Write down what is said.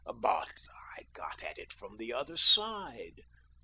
But I got at it from the other side.